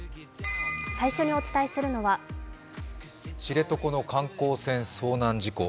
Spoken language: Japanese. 最初にお伝えするのは知床の観光船遭難事故。